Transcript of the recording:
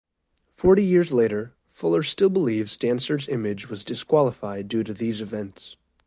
Forty years later, Fuller still believes Dancer's Image was disqualified due to these events.